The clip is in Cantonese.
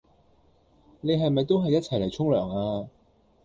你係咪都係一齊嚟沖涼呀？